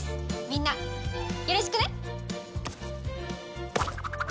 みんなよろしくね！